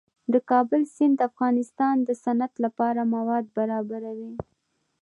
د کابل سیند د افغانستان د صنعت لپاره مواد برابروي.